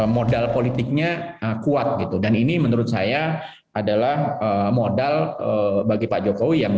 modal politiknya kuat gitu dan ini menurut saya adalah modal bagi pak jokowi yang